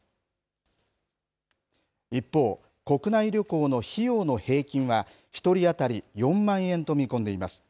一方、国内旅行の費用の平均は１人当たり４万円と見込んでいます。